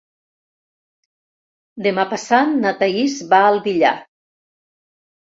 Demà passat na Thaís va al Villar.